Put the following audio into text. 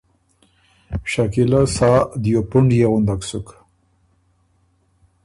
شکیلۀ سا دیو پُنډيې غُندک سُک،